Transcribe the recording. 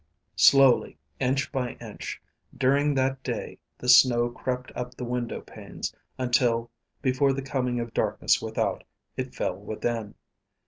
Slowly, inch by inch, during that day the snow crept up the window panes until, before the coming of darkness without, it fell within.